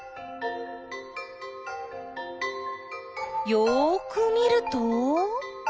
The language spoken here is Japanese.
よく見ると？